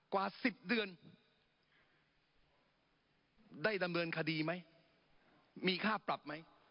กว่า๑๐เดือนได้ดำเนินคดีไหมมีค่าปรับไหม